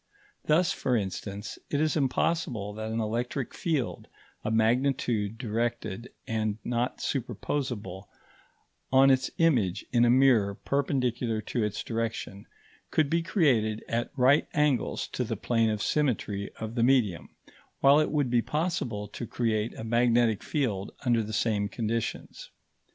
Thus, for instance, it is impossible that an electric field, a magnitude directed and not superposable on its image in a mirror perpendicular to its direction, could be created at right angles to the plane of symmetry of the medium; while it would be possible to create a magnetic field under the same conditions.